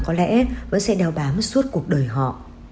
có lẽ vẫn sẽ đau bám suốt cuộc đời họ